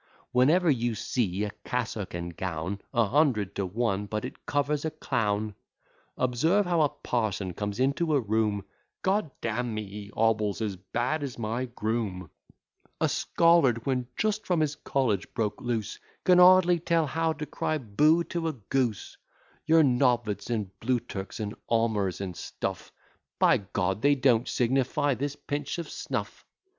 'Whenever you see a cassock and gown, A hundred to one but it covers a clown. Observe how a parson comes into a room; G d d n me, he hobbles as bad as my groom; A scholard, when just from his college broke loose, Can hardly tell how to cry bo to a goose; Your Noveds, and Bluturks, and Omurs, and stuff By G , they don't signify this pinch of snuff.